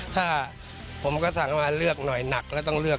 ถ้าผมก็สั่งว่าเลือกหน่อยหนักแล้วต้องเลือก